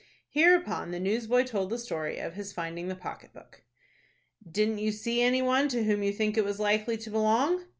Hereupon the newsboy told the story of his finding the pocket book. "Didn't you see any one to whom you think it was likely to belong?"